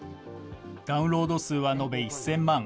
ダウンロード数は延べ１０００万。